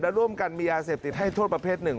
และร่วมกันมียาเสพติดให้โทษประเภทหนึ่ง